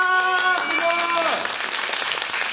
すごい！